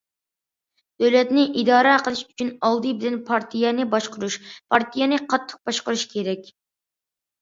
دۆلەتنى ئىدارە قىلىش ئۈچۈن ئالدى بىلەن پارتىيەنى باشقۇرۇش، پارتىيەنى قاتتىق باشقۇرۇش كېرەك.